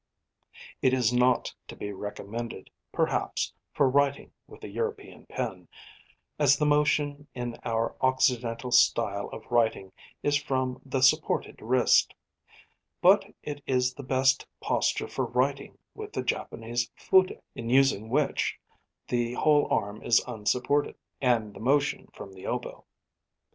It is not to be recommended, perhaps, for writing with a European pen as the motion in our Occidental style of writing is from the supported wrist; but it is the best posture for writing with the Japanese fude, in using which the whole arm is unsupported, and the motion from the elbow.